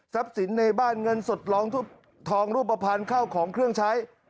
สินในบ้านเงินสดร้องทุกทองรูปภัณฑ์เข้าของเครื่องใช้